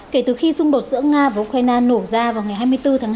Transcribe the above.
kể từ khi xung đột giữa nga và ukraine nổ ra vào ngày hai mươi bốn tháng hai